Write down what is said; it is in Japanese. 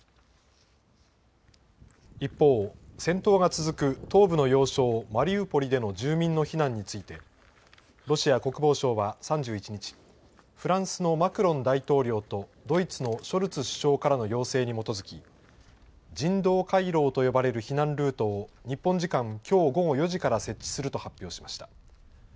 一方、戦闘が続く東部の要衝マリウポリでの住民の避難について、ロシア国防省は３１日、フランスのマクロン大統領とドイツのショルツ首相からの要請に基づき、人道回廊と呼ばれる避難ルートを日本時間きょう午後４時から設置すると発表しました。